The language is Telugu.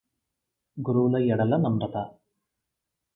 గురువుల యెడల నమ్రత